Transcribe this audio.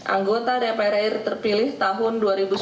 anggota dprr terpilih tahun dua ribu sembilan belas dua ribu dua puluh empat